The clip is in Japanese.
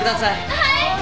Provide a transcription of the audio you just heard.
はい。